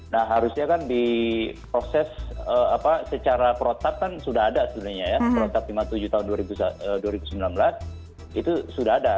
nah harusnya kan di proses secara protap kan sudah ada sebenarnya ya protap lima puluh tujuh tahun dua ribu sembilan belas itu sudah ada